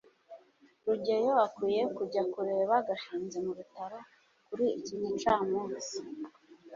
rugeyo akwiye kujya kureba gashinzi mubitaro kuri iki gicamunsi